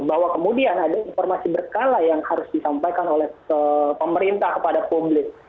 bahwa kemudian ada informasi berkala yang harus disampaikan oleh pemerintah kepada publik